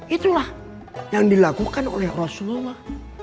itulah yang dilakukan oleh rasulullah